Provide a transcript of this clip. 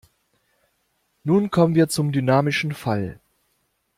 Nun kommen wir zum dynamischen Fall.